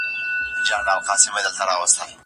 هغه څوک چي د کتابتون کتابونه لوستل کوي پوهه زياتوي!!